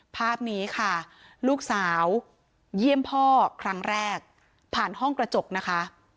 ภาพนี้ค่ะลูกสาวเยี่ยมพ่อครั้งแรกผ่านห้องกระจกนะคะ